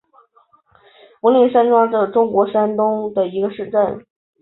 柏林庄镇是中国山东省烟台市莱阳市下辖的一个镇。